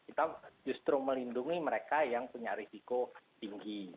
kita justru melindungi mereka yang punya risiko tinggi